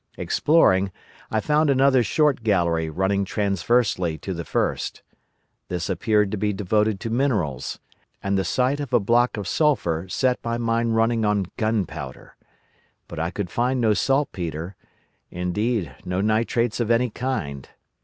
Exploring, I found another short gallery running transversely to the first. This appeared to be devoted to minerals, and the sight of a block of sulphur set my mind running on gunpowder. But I could find no saltpetre; indeed, no nitrates of any kind.